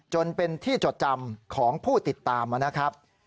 จนเป็นที่จดจำของผู้ติดตามนะครับ